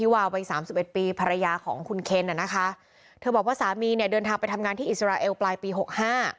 วาวัยสามสิบเอ็ดปีภรรยาของคุณเคนน่ะนะคะเธอบอกว่าสามีเนี่ยเดินทางไปทำงานที่อิสราเอลปลายปีหกห้า